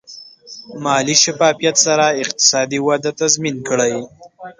مالي شفافیت سره اقتصادي وده تضمین کړئ.